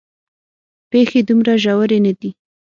پېښې دومره ژورې نه دي.